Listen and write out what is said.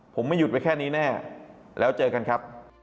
ผมไม่หยุดไปแค่นี้แน่แล้วเจอกันครับ